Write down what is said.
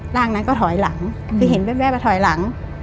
ร่างนั้นก็ถอยหลังคือเห็นแวบถอยหลัง